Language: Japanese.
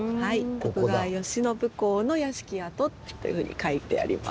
徳川慶喜公の屋敷跡っていうふうに書いてあります。